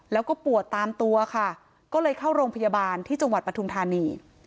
แล้วก็ปวดตามตัวค่ะก็เลยเข้าโรงพยาบาลที่จังหวัดปทุมธานี